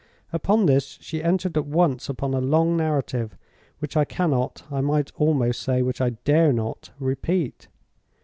"Upon this, she entered at once upon a long narrative, which I cannot—I might almost say, which I dare not—repeat.